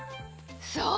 そう！